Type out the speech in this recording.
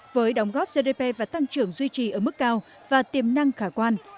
với đóng góp gdp và tăng trưởng duy trì ở mức cao và tiềm năng khả quan